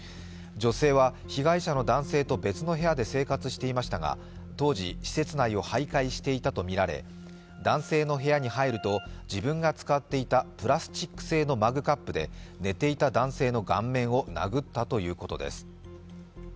女性は被害者の男性と別の部屋で生活していましたが当時、施設内をはいかいしていたとみられ男性の部屋に入ると自分が使っていたプラスチック製のマグカップで寝ていた男性の顔面を殴ったということです。